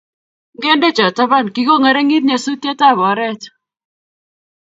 Ngende cho taban, kikongeringit nyasuet ab oret